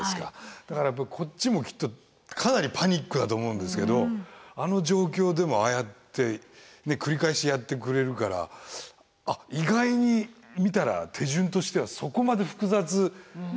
だからこっちもきっとかなりパニックだと思うんですけどあの状況でもああやって繰り返しやってくれるから意外に見たら手順としてはそこまで複雑じゃないですね。